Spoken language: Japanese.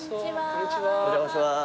お邪魔します